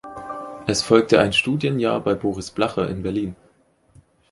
Es folgte ein Studienjahr bei Boris Blacher in Berlin.